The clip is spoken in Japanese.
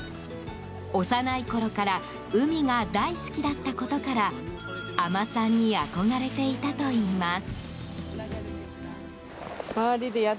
幼いころから海が大好きだったことから海女さんに憧れていたといいます。